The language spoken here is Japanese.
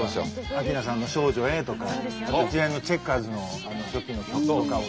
明菜さんの「少女Ａ」とか一連のチェッカーズの初期の曲とかを。